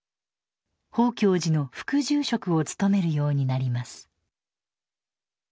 宝鏡寺の副住職を務めるようになります。